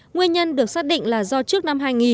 nguyên nhân được xác định là do trước năm hai nghìn